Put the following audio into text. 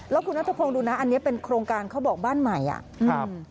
แล้วคุณนัทพงศ์ดูนะอันนี้เป็นโครงการเขาบอกบ้านใหม่อ่ะครับ